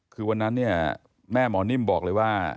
คือวันนั้นเนี่ยแม่หมอนิ่มบอกเลยว่า